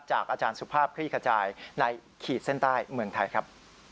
อาจารย์สุภาพคลี่ขจายในขีดเส้นใต้เมืองไทยครับ